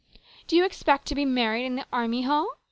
" Do you expect to be married in the Army Hall